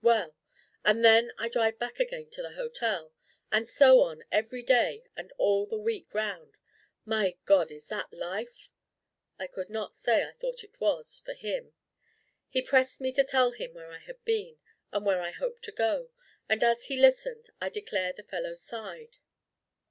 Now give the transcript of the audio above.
Well. And then I drive back again to the hotel. And so on every day and all the week round. My God, is that life?' I could not say I thought it was—for him. He pressed me to tell him where I had been, and where I hoped to go; and as he listened, I declare the fellow sighed.